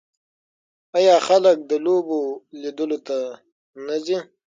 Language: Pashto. آیا خلک د لوبو لیدلو ته نه ځي؟